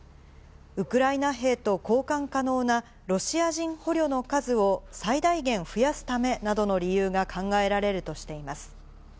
ウクライナ兵と交換可能なロシア人捕虜の数を最大限増やすためなどの理由が考えられるとしています。